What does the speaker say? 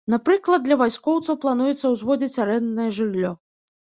Напрыклад, для вайскоўцаў плануецца ўзводзіць арэнднае жыллё.